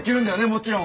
もちろん。